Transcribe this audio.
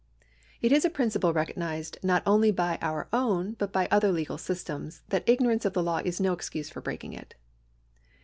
It is a principle recognised not only by our own but by other legal systems that ignorance of the law is no excuse for breaking it.